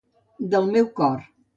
Del meu cor.